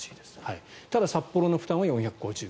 ただ、札幌の負担は４５０億円。